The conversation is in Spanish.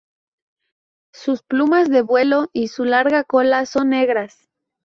Sus plumas de vuelo y su larga cola son negras.